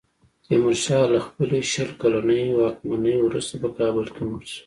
تیمورشاه له خپلې شل کلنې واکمنۍ وروسته په کابل کې مړ شو.